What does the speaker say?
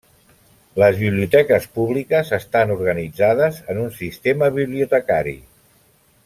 Les biblioteques públiques estan organitzades en un sistema bibliotecari.